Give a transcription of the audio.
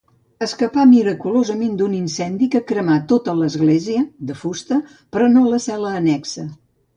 Escapà miraculosament d'un incendi que cremà tota l'església, de fusta, però no la cel·la annexa.